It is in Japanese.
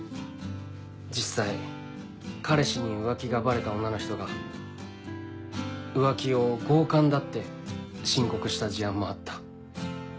実際彼氏に浮気がバレた女の人が浮気を強姦だって申告した事案もあった。